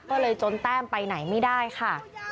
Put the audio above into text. ก็เลยจนแต้มไปไหนไม่ได้ค่ะ